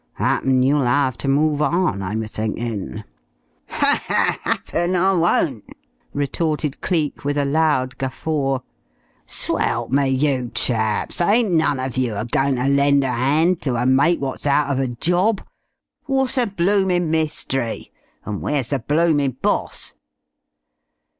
Happen you'll 'ave ter move on, I'm a thinkin'." "Happen I won't!" retorted Cleek, with a loud guffaw. "S'welp me, you chaps, ain't none uv you a goin' ter lend a 'and to a mate wot's out uv a job? What's the blooming mystery? An' where's the bloomin' boss?"